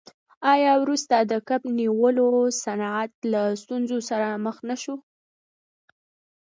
آیا وروسته د کب نیولو صنعت له ستونزو سره مخ نشو؟